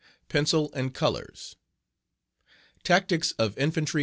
Pencil and Colors. Tactics of Infantry